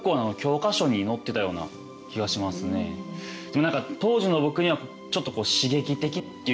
でも何か当時の僕にはちょっとこう刺激的っていう絵。